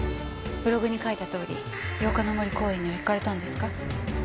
ブログに書いたとおり八日の森公園には行かれたんですか？